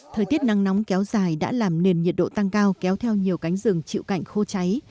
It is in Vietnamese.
thời tiết nắng nóng kéo dài đã làm nền nhiệt độ tăng cao kéo theo nhiều cánh rừng chịu cạnh khô cháy